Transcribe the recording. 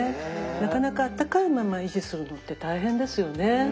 なかなかあったかいまま維持するのって大変ですよね。